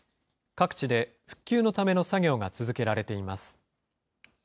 各地で復旧のための作業が続けられています。